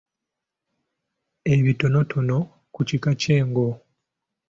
Ebitonotono ku kika ky'engo.